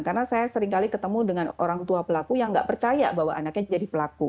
karena saya sering kali ketemu dengan orang tua pelaku yang nggak percaya bahwa anaknya jadi pelaku